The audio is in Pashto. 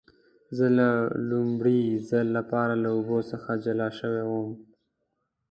زه د لومړي ځل لپاره له اوبو څخه جلا شوی وم.